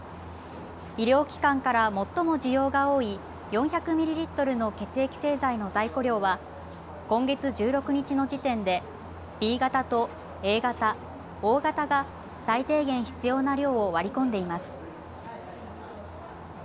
医療機関から最も需要が多い４００ミリリットルの血液製剤の在庫量は今月１６日の時点でＢ型とＡ型、Ｏ型が最低限必要な量を割り込んでいます。